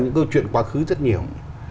những câu chuyện quá khứ rất nhiều